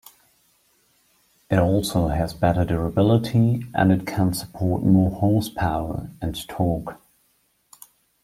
It also has better durability and It can support more horsepower and torque.